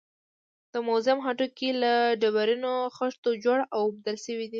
د موزیم هډوکي له ډبرینو خښتو جوړ او اوبدل شوي دي.